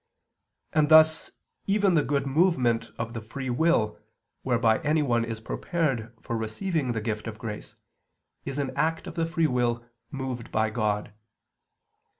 And thus even the good movement of the free will, whereby anyone is prepared for receiving the gift of grace, is an act of the free will moved by God.